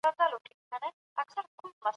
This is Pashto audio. مورنۍ ژبه د زده کړې باور څنګه زياتوي؟